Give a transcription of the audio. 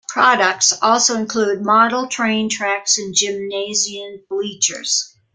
Products also include model train tracks and gymnasium bleachers.